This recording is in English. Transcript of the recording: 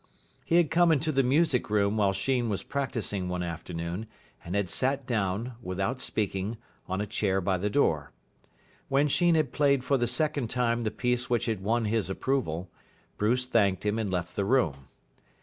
He had come into the music room while Sheen was practising one afternoon, and had sat down, without speaking, on a chair by the door. When Sheen had played for the second time the piece which had won his approval, Bruce thanked him and left the room.